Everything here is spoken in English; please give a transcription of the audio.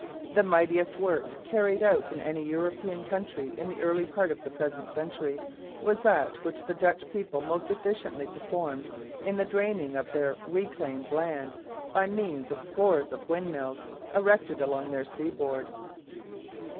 The mightiest work carried out in any European country in the early part of the present century was that which the Dutch people most efficiently performed in the draining of their reclaimed land by means of scores of windmills erected along their seaboard.